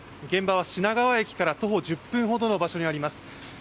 現場は品川駅から徒歩１０分ほどの場所にあります。